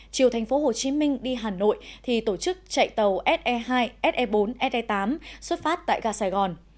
chiều tp hcm đi hà nội thì tổ chức chạy tàu se hai se bốn se tám xuất phát tại gà sài gòn